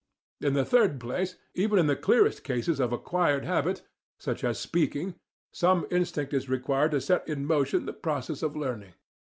In the third place, even in the clearest cases of acquired habit, such as speaking, some instinct is required to set in motion the process of learning.